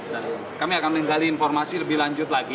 dan kami akan mengingatkan informasi lebih lanjut lagi